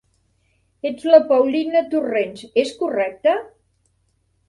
Ets la Paulina Torrens, és correcte?